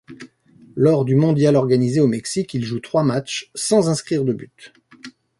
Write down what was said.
Lors du mondial organisé au Mexique, il joue trois matchs, sans inscrire de but.